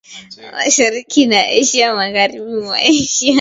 mashariki na Asia ya magharibi mwa Asia